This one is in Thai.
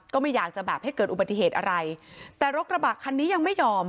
ก็ไม่อยากจะแบบให้เกิดอุบัติเหตุอะไรแต่รถกระบะคันนี้ยังไม่ยอม